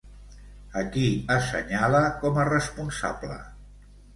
A qui assenyala com a responsable?